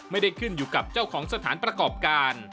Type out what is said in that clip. ไม่ได้ขึ้นอยู่กับเจ้าของสถานประกอบการ